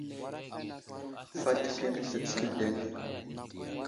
Fat keme ve tsa eŋdene ?